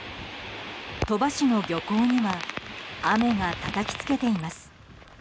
鳥羽市の漁港には雨がたたきつけています。